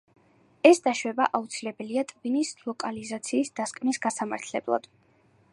ეს დაშვება აუცილებელია ტვინის ლოკალიზაციის დასკვნის გასამართლებლად.